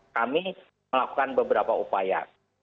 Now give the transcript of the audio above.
kami melakukan beberapa upaya